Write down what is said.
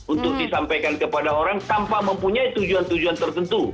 untuk disampaikan kepada orang tanpa mempunyai tujuan tujuan tertentu